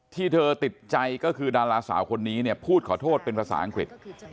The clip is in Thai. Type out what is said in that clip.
ที่เธอติดใจก็คือดาราสาวคนนี้เนี่ยพูดขอโทษเป็นภาษาอังกฤษ